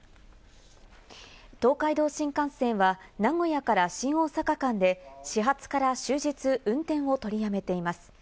東海道新幹線は名古屋から新大阪間で始発から終日運転を取りやめています。